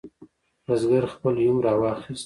بزګر خپل یوم راواخست.